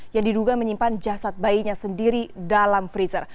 yang diduga menyimpan jasad bayinya sendiri dalam freezer